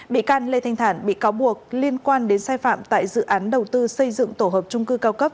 bị can lê thanh thản bị cáo buộc liên quan đến sai phạm tại dự án đầu tư xây dựng tổ hợp trung cư cao cấp